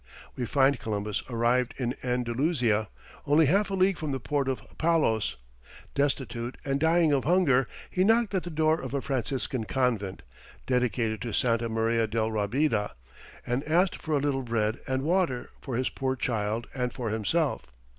We find Columbus arrived in Andalusia, only half a league from the port of Palos. Destitute, and dying of hunger, he knocked at the door of a Franciscan convent, dedicated to Santa Maria de Rabida, and asked for a little bread and water for his poor child and for himself.